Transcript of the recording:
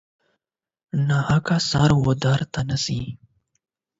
ناحقه سر و دار ته نه ځي.